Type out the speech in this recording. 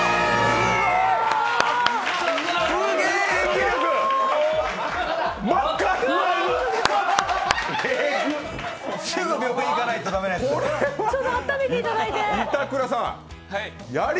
すぐ病院行かないとだめなやつ！